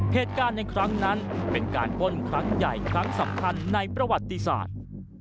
เหตุการณ์ในครั้งนั้นเป็นการป้นครั้งใหญ่ครั้งสำคัญในประวัติศาสตร์